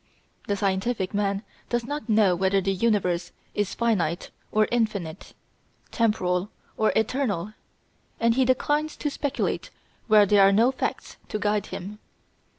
The scientific man does not know whether the universe is finite or infinite, temporal or eternal; and he declines to speculate where there are no facts to guide him.